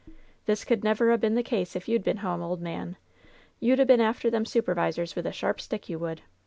"This could never a been the case if you'd been home, ole man ! You'd a been after them supervisors with a sharp stick, you would